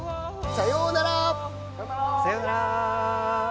さようなら。